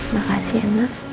makasih ya emang